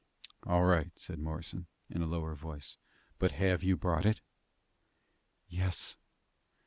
"All right," said Morrison, in a lower voice; "but have you brought it?" "Yes."